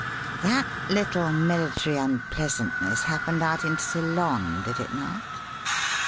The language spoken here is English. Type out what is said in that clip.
That little military unpleasantness happened out in Ceylon, did it not?